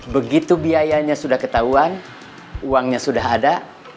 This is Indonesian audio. begitu biayanya sudah ketahuan uangnya sudah ada